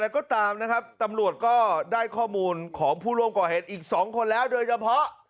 ก็ได้ข้อมูลของผู้ร่วมก่อเหตุอีก๒คนแล้วโดยเฉพาะ